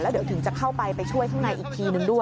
เดี๋ยวถึงจะเข้าไปไปช่วยข้างในอีกทีนึงด้วย